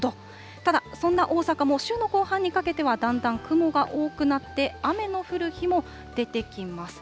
ただ、そんな大阪も週の後半にかけてはだんだん雲も多くなって、雨の降る日も出てきます。